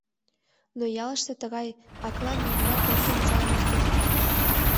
Но ялыште тыгай аклан нимогай пӧртым ужален от керт.